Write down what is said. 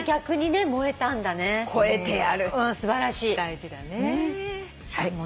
大事だねー。